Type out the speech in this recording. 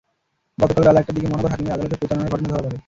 গতকাল বেলা একটার দিকে মহানগর হাকিমের আদালতে প্রতারণার ঘটনা ধরা পড়ে।